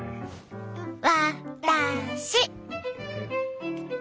わ・た・し！